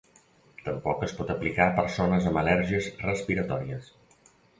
Tampoc es pot aplicar a persones amb al·lèrgies respiratòries.